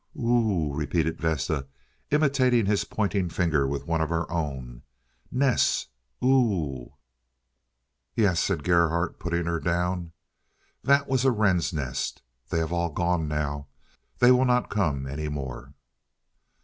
"Ooh!" repeated Vesta, imitating his pointing finger with one of her own. "Ness—ooh!" "Yes," said Gerhardt, putting her down again. "That was a wren's nest. They have all gone now. They will not come any more."